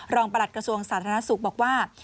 ประหลัดกระทรวงสาธารณสุขบอกว่า